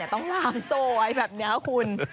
ต้องลามโซ่ไว้แบบนี้ครับคุณ